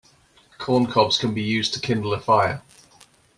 Corn cobs can be used to kindle a fire.